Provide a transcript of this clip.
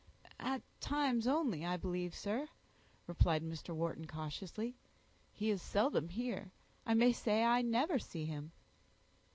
"At times only, I believe, sir," replied Mr. Wharton, cautiously. "He is seldom here; I may say I never see him."